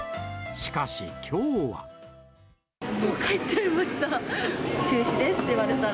もう帰っちゃいました。